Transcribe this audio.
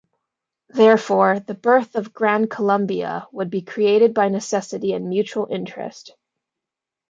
Therefore, the birth of Gran Colombia would be created "by necessity and mutual interest".